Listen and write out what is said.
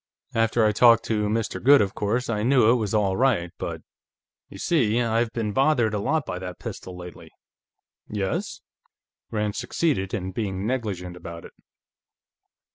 "After I talked to Mr. Goode, of course, I knew it was all right, but ... You see, I've been bothered a lot about that pistol, lately." "Yes?" Rand succeeded in being negligent about it.